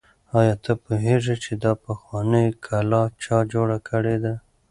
آیا ته پوهېږې چې دا پخوانۍ کلا چا جوړه کړې ده؟